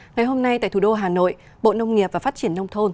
ngày hôm nay tại thủ đô hà nội bộ nông nghiệp và phát triển nông thôn